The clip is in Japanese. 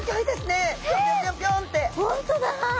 本当だ！